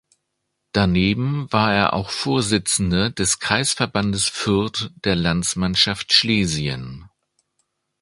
Daneben war er auch Vorsitzender des Kreisverbandes Fürth der Landsmannschaft Schlesien.